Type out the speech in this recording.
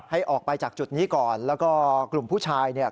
ให้ออกไปจากจุดนี้ก่อนแล้วก็กลุ่มผู้ชายเนี่ย